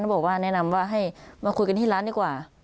บอกว่าแนะนำว่าให้มาคุยกันที่ร้านดีกว่า